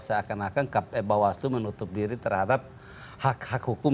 seakan akan bawaslu menutup diri terhadap hak hak hukum